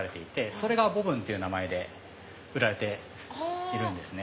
それがボブンっていう名前で売られているんですね。